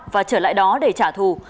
và trở lại đó để trả thù